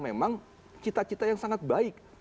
memang cita cita yang sangat baik